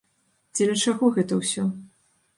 Дзеля чаго гэта ўсё?